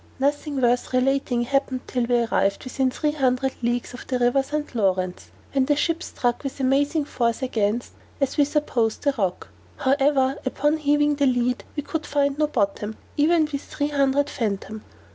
Nothing worth relating happened till we arrived within three hundred leagues of the river St. Laurence, when the ship struck with amazing force against (as we supposed) a rock; however, upon heaving the lead we could find no bottom, even with three hundred fathom.